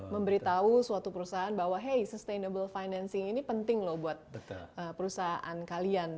memberitahu suatu perusahaan bahwa hey sustainable financing ini penting loh buat perusahaan kalian